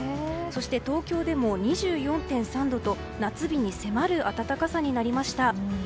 そして東京でも、２４．３度と夏日に迫る暖かさになりました。